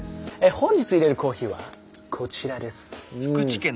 本日入れるコーヒーはこちらです。